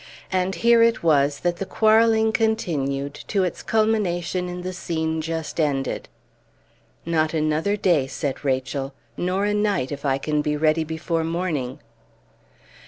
And here it was that the quarrelling continued to its culmination in the scene just ended. "Not another day," said Rachel, "nor a night if I can be ready before morning!"